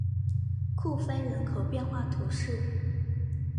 库菲人口变化图示